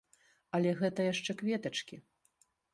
Але гэта яшчэ кветачкі.